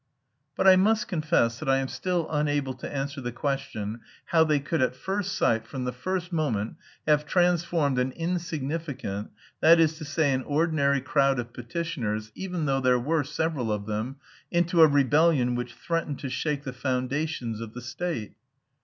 But I must confess that I am still unable to answer the question how they could at first sight, from the first moment, have transformed an insignificant, that is to say an ordinary, crowd of petitioners, even though there were several of them, into a rebellion which threatened to shake the foundations of the state.